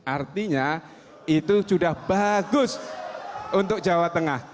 artinya itu sudah bagus untuk jawa tengah